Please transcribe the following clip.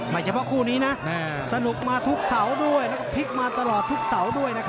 ไม่เฉพาะคู่นี้น่ะสนุกมาทุกเสาร์ด้วยน่าก็พลิกมาตลอดทุกเสาร์ด้วย